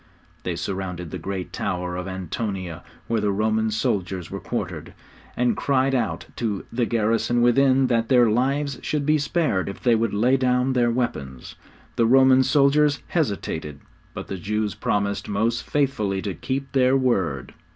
They surrounded the great tower of Antonia where the Roman soldiers were quartered, and cried out to the garrison within that their lives should be spared if they would lay down their weapons. The Roman soldiers hesitated, but the Jews promised most faithfully to keep their word.